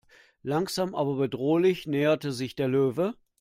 Langsam aber bedrohlich näherte sich der Löwe.